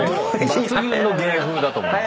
抜群の芸風だと思います。